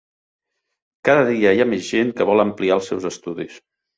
Cada dia hi ha més gent que vol ampliar els seus estudis.